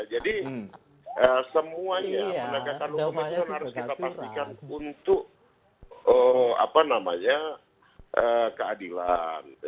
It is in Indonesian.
jadi semuanya penegakan hukum itu harus kita pastikan untuk keadilan